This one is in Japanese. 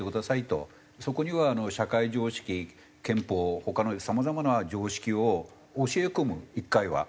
そこには社会常識憲法他のさまざまな常識を教え込む１回は。